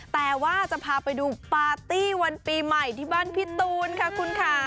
แต่ว่าจะพาไปดูปาร์ตี้วันปีใหม่ที่บ้านพี่ตูนค่ะคุณค่ะ